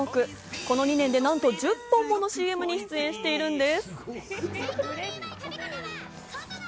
この２年でなんと１０本ものＣＭに出演しているんです。